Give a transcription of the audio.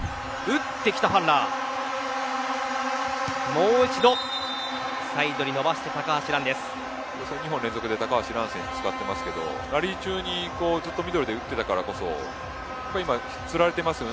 もう一度サイドに伸ばして高橋日本、連続で高橋選手を使ってますけどラリー中にずっとミドルで打っていたからこそ今、つられていますよね